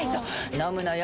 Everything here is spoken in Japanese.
飲むのよ